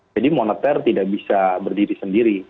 jadi moneter tidak bisa berdiri sendiri